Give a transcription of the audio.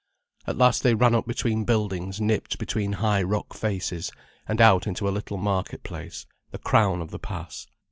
At last they ran up between buildings nipped between high rock faces, and out into a little market place, the crown of the pass.